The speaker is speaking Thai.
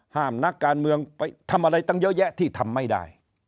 นักการเมืองไปทำอะไรตั้งเยอะแยะที่ทำไม่ได้